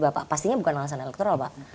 bapak pastinya bukan alasan elektoral pak